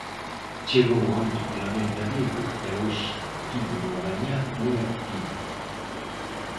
Chegou onte pola noite a Vigo e hoxe tivo unha mañá moi activa.